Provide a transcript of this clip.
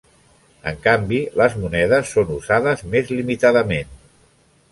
En canvi, les monedes són usades més limitadament.